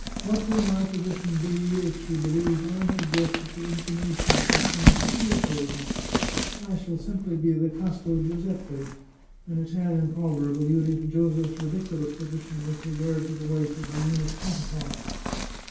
What will my position be if she believes I have guessed at the inclination she seems to feel toward me ? I shall simply be the casto Giuseppe " (an Italian proverb alluding to Joseph's ridiculous position with regard to the wife of the eunuch Potiphar).